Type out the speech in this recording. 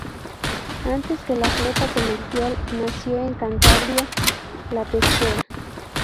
Antes que la flota comercial, nació en Cantabria la pesquera.